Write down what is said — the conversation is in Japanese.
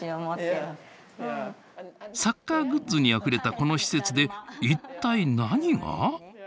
サッカーグッズにあふれたこの施設で一体何が？